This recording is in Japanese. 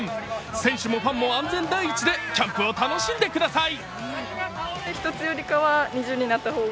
選手もファンも安全第一でキャンプを楽しんでください。